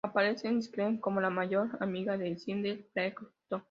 Aparece en Scream, como la mejor amiga de Sidney Prescott.